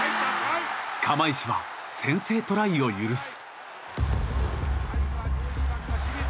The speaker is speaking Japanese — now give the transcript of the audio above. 釜石は先制トライを許す。